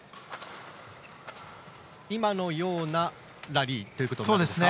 今のようなラリーということになりますか？